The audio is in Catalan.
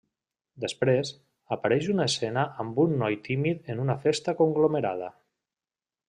Després, apareix una escena amb un noi tímid en una festa conglomerada.